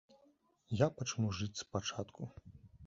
Я пачну жыць спачатку.